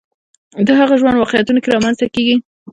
د هغه ژوند واقعیتونو کې رامنځته کېږي